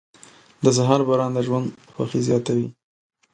• د سهار باران د ژوند خوښي زیاتوي.